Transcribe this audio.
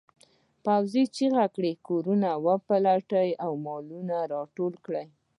پوځي چیغه کړه کورونه وپلټئ او مالونه راټول کړئ.